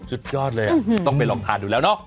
สุดยอดเลยต้องไปลองทานดูแล้วเนาะ